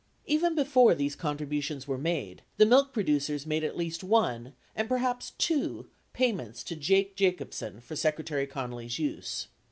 Even before these contributions were made, the milk producers made at least one, and perhaps two, payments to Jake Jacobsen for Secretary Connally's use.